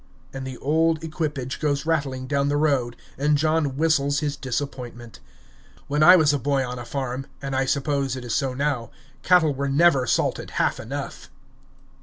And the old equipage goes rattling down the road, and John whistles his disappointment. When I was a boy on a farm, and I suppose it is so now, cattle were never salted half enough!